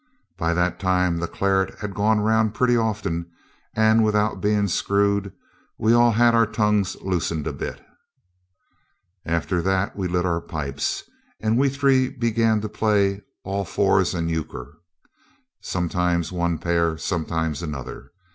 By that time the claret had gone round pretty often; and without being screwed we'd all had our tongues loosened a bit. After that we lit our pipes, and we three began to play all fours and euchre, sometimes one pair, sometimes another.